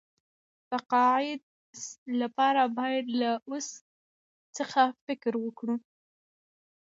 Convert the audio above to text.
تقاعد لپاره باید له اوس څخه فکر وکړو.